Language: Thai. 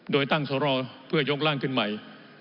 โดยตั้งสรอเพื่อยกร่างขึ้นใหม่